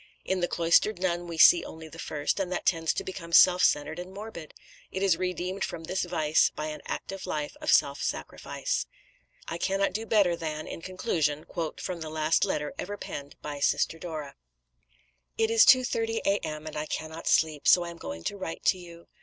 In the cloistered nun we see only the first, and that tends to become self centred and morbid; it is redeemed from this vice by an active life of self sacrifice. I cannot do better than, in conclusion, quote from the last letter ever penned by Sister Dora: "It is 2.30 A.M., and I cannot sleep, so I am going to write to you.